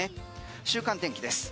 週間天気です。